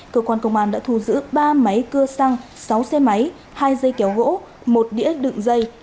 cơ quan công an đã thu giữ ba máy cơ xăng sáu xe máy hai dây kéo gỗ một đĩa đựng dây